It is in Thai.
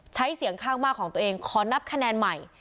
เสียงข้างมากของตัวเองขอนับคะแนนใหม่